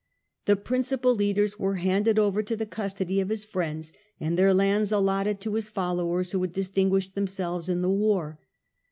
The prin cipal leaders were handed over to the custody of his friends, and their lands allotted to his followers who had distinguished themselves in the war.